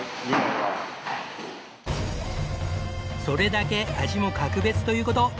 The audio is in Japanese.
それだけ味も格別という事。